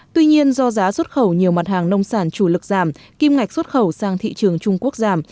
tuy nhiên do giá xuất khẩu nhiều mặt hàng nông sản chủ lực giảm kim ngạch xuất khẩu sang thị trường trung quốc giảm